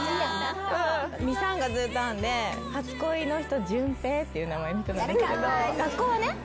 ミサンガずっと編んで初恋の人ジュンペイっていう名前の人なんですけど。